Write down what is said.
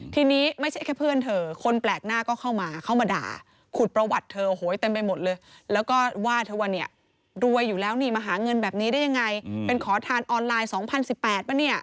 ทีนี้ไม่ใช่แค่เพื่อนเธอคนแปลกหน้าก็เข้ามาเข้ามาด่าขุดประวัติเธอโหยเต็มไปหมดเลยแล้วก็ว่าเธอว่าเนี่ยรวยอยู่แล้วนี่มาหาเงินแบบนี้ได้ยังไงเป็นขอทานออนไลน์๒๐๑๘ป่ะเนี่ย